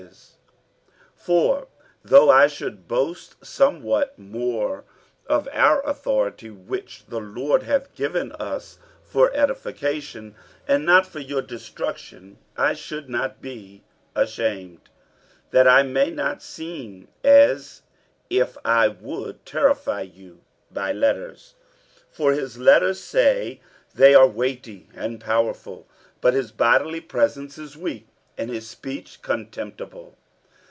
47:010:008 For though I should boast somewhat more of our authority, which the Lord hath given us for edification, and not for your destruction, I should not be ashamed: 47:010:009 That I may not seem as if I would terrify you by letters. 47:010:010 For his letters, say they, are weighty and powerful; but his bodily presence is weak, and his speech contemptible.